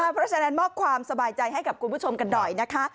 เพราะฉะนั้นมอบความสบายใจให้กับคุณผู้ชมกันหน่อยนะคะ